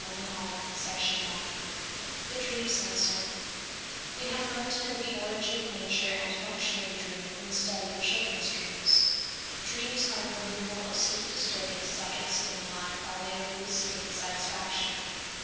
NINTH LECTURE THE DREAM The Dream Censor We have learned to know the origin, nature and function of the dream from the study of children's dreams. _Dreams are the removal of sleep disturbing psychic stimuli by way of hallucinated satisfaction.